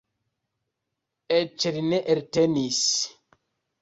Eĉ li ne eltenis.